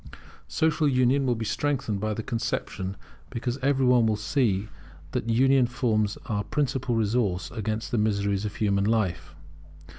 Social union will be strengthened by the conception, because every one will see that union forms our principal resource against the miseries of human life.